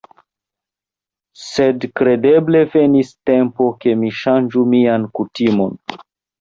Sed kredeble venis tempo, ke mi ŝanĝu mian kutimon.